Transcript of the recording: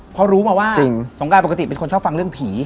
เพราะรู้มาว่าสงกราก็มันชอบฟังเรื่องผี